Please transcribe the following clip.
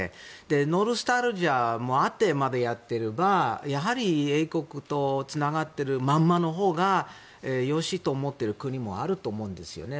ノスタルジアもあってやっている場合もあればやはり英国とつながっているままのほうがよろしいと思っている国もあると思うんですよね。